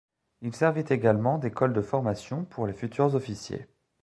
Il servit également d’école de formation pour les futurs officiers.